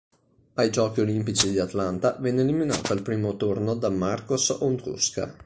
Ai Giochi olimpici di Atlanta venne eliminato al primo turno da Marcos Ondruska.